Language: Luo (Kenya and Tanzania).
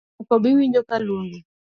Nyako be iwinjo ka aluongi.